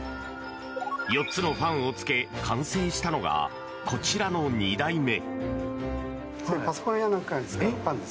４つのファンをつけ完成したのが、こちらの２代目。